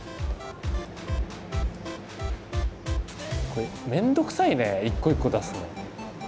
これ面倒くさいね一個一個出すの。